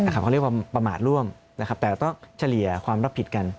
เขาเรียกว่าประมาทร่วมแต่ต้องเฉลี่ยความรับผิดกัน